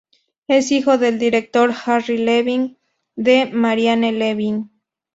Es hijo del director Harry Levin y de Marianne Levin.